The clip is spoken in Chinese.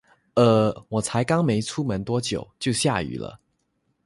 呃，我才出门没多久，就下雨了